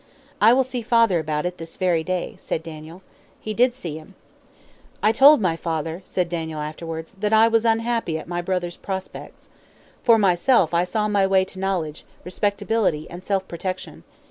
"I will see father about it this very day," said Daniel. He did see him. "I told my father," said Daniel, afterwards, "that I was unhappy at my brother's prospects. For myself, I saw my way to knowledge, respectability, and self protection.